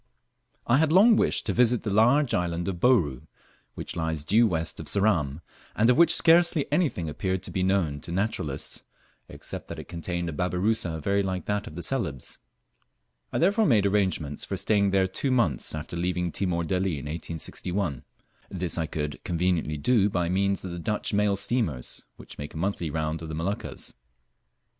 I HAD long wished to visit the large island of Bouru, which lies due west of Ceram, and of which scarcely anything appeared to be known to naturalists, except that it contained a babirusa very like that of Celebes. I therefore made arrangements for staying there two months after leaving Timor Delli in 1861. This I could conveniently do by means of the Dutch mail steamers, which make a monthly round of the Moluccas.